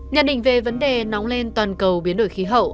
nhận định về vấn đề nóng lên toàn cầu biến đổi khí hậu